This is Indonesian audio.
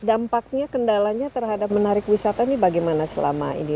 dampaknya kendalanya terhadap menarik wisata ini bagaimana selama ini